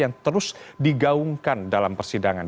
yang terus digaungkan dalam persidangan